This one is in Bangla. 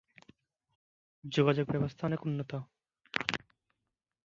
যোগাযোগ ব্যবস্থা অনেক উন্নত।